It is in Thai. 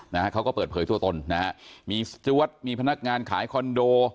นะฮะเขาก็เปิดเผยตัวตนนะฮะมีสจวดมีพนักงานขายคอนโด